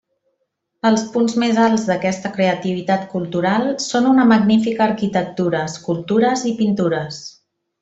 Els punts més alts d'aquesta creativitat cultural són una magnífica arquitectura, escultures i pintures.